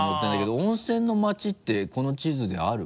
温泉の町ってこの地図である？